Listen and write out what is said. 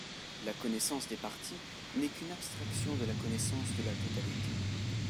La connaissance des parties n'est qu'une abstraction de la connaissance de la totalité.